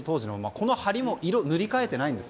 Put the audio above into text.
このはりも色を塗り替えてないんです。